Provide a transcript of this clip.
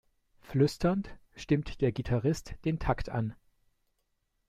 Flüsternd stimmt der Gitarrist den Takt an.